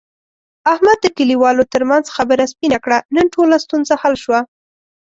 احمد د کلیوالو ترمنځ خبره سپینه کړه. نن ټوله ستونزه حل شوه.